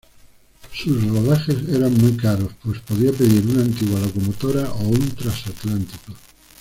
Sus rodajes eran muy caros, pues podía pedir una antigua locomotora o un transatlántico.